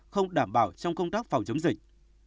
không đảm bảo trong công tác phòng chống dịch